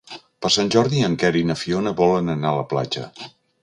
Per Sant Jordi en Quer i na Fiona volen anar a la platja.